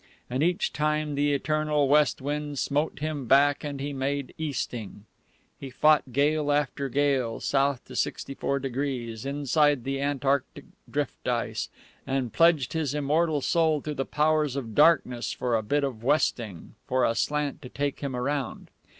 And each time the eternal west wind smote him back and he made easting. He fought gale after gale, south to 64°, inside the antarctic drift ice, and pledged his immortal soul to the Powers of Darkness for a bit of westing, for a slant to take him around.